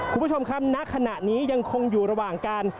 คุณผู้ชมครับณขณะนี้ยังคงอยู่ระหว่างการ